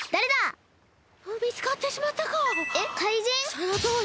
そのとおり！